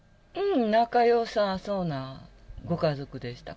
仲よさそうなご家族でした。